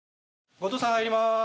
後藤さん入ります。